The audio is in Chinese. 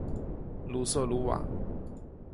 鲁瑟卢瓦。